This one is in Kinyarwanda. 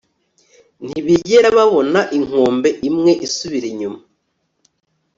ntibigera babona, inkombe imwe isubira inyuma